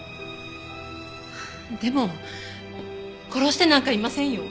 でも殺してなんかいませんよ。